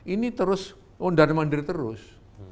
ini terus undang undang terus